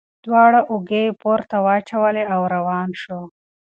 دواړه اوږې یې پورته واچولې او روان شو.